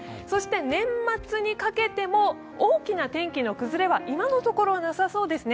年末にかけても大きな天気の崩れは今のところなさそうですね。